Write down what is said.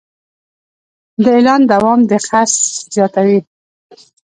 د اعلان دوام د خرڅ زیاتوي.